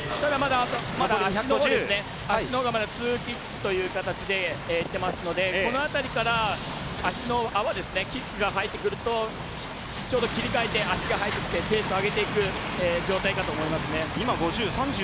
まだ、足のほうがツーキックという形でいってますのでこの辺りからキックが入ってくるとちょうど切り替えて足が入ってきてペースを上げていく状態かと思いますね。